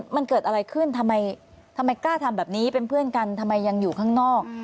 มันเกิดอะไรขึ้นทำไมกล้าทำแบบนี้เป็นเพื่อนกันทำไมยังอยู่ข้างนอก